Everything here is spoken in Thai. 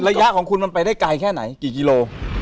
ระยะของคุณมันไปได้ไกลแค่ไหนกี่กิโล